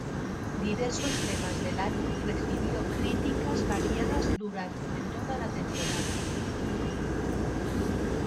Diversos temas del álbum recibió críticas variadas durante toda la temporada.